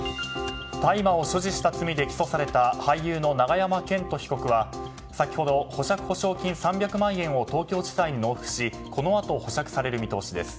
大麻を所持した罪で起訴された俳優の永山絢斗被告は先ほど保釈保証金３００万円を東京地裁に納付しこのあと保釈される見通しです。